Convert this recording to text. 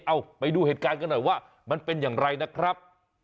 เอาไปดูเหตุการณ์กันหน่อยว่ามันเป็นอย่างไรนะครับ